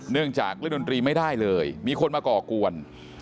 เนื่องจากเล่นดนตรีไม่ได้เลยมีคนมาก่อกวน